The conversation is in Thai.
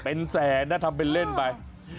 เป็นแสนนะทำเป็นเล่นไป